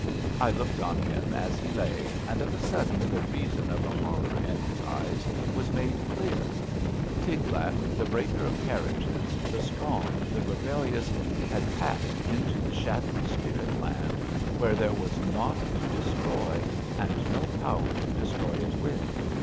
I looked on him as he lay, and of a sudden the reason of the hor ror in his eyes was made clear. Tiglath, the breaker of carriages, the strong, the rebellious, had passed into the shadowy spirit land, where TIGLATH PILESER 99 there was nought to destroy and no power to de stroy it with.